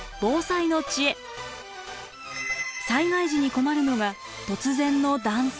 災害時に困るのが突然の断水。